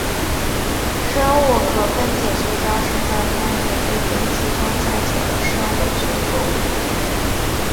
生物可分解塑胶是在工业堆肥器中降解的生物聚合物。